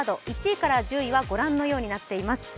１位から１０位は御覧のようになっています。